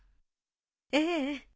ええ。